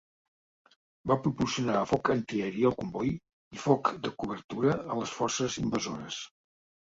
Va proporcionar foc antiaeri al comboi i foc de cobertura a les forces invasores.